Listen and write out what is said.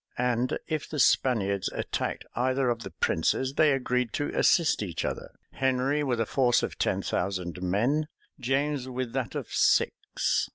And if the Spaniards attacked either of the princes, they agreed to assist each other; Henry with a force of ten thousand men, James with that of six.